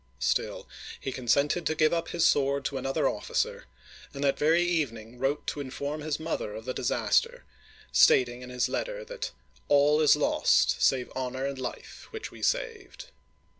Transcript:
" Still, he consented to give up his sword to another officer, and that very evening wrote to inform his mother of the disaster, stating in his letter that "all is lost save honor and life, which we saved!"